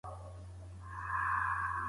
کرني پوهنځۍ په خپلسري ډول نه ویشل کیږي.